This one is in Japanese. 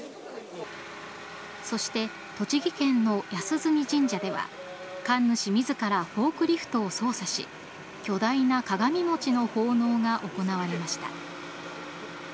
そして栃木県の安住神社では神主自らフォークリフトを操作し巨大な鏡餅の奉納が行われました。